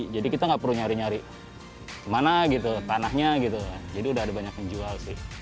jadi kita tidak perlu nyari nyari mana gitu tanahnya gitu jadi sudah ada banyak yang jual sih